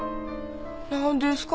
何ですか？